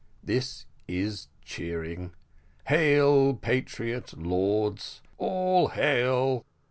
This is cheering. Hail, patriot lords! all hail!